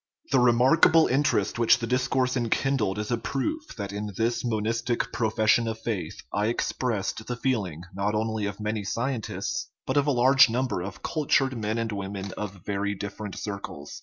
The remarkable interest which the discourse en kindled is a proof that in this monistic profession of faith I expressed the feeling not only of many scientists, but of a large number of cultured men and women of very different circles.